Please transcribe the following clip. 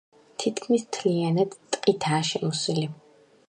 თითქმის მთლიანად ტყითაა შემოსილი.